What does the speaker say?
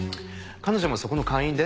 彼女もそこの会員で。